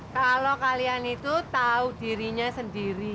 kalau kalian itu tahu dirinya sendiri